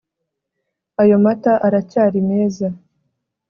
ayo mata aracyari meza